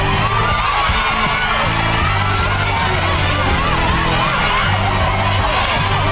อย่าหงุด